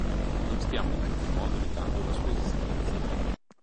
Non stiamo in alcun modo negando la sua esistenza.